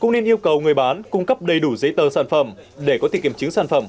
cũng nên yêu cầu người bán cung cấp đầy đủ giấy tờ sản phẩm để có thể kiểm chứng sản phẩm